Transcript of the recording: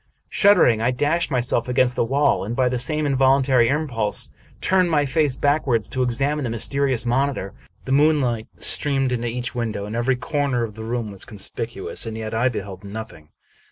Shuddering, I dashed myself against the wall, and, by the same involuntary impulse, turned my face backward to ex amine the mysterious monitor. The moonlight streamed into each window, and every corner of the room was con spicuous, and yet I beheld nothing!